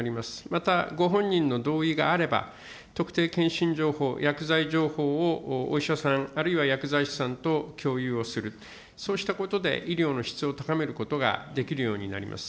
また、ご本人の同意があれば、特定健診情報、薬剤情報をお医者さん、あるいは薬剤師さんと共有をする、そうしたことで医療の質を高めることができるようになります。